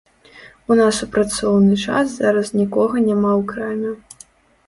У нас у працоўны час зараз нікога няма ў краме.